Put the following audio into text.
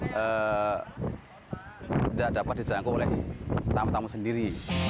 tidak dapat dijangkau oleh tamu tamu sendiri